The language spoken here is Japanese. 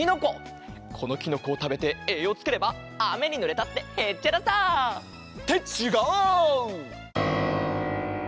このきのこをたべてえいようつければあめにぬれたってへっちゃらさ！ってちがう！